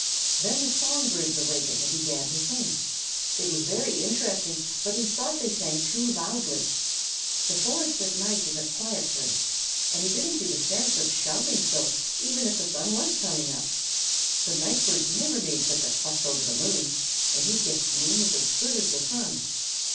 Then the song birds awakened and began to sing. It was very interesting, but he thought they sang too loudly. The forest at night is a quiet place, and he didn't see the sense of shouting so, even if the sun were coming up. The night birds never made such a fuss over the moon, and he guessed the moon was as good as the sun.